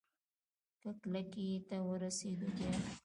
که کلکې ته ورسېدو بيا؟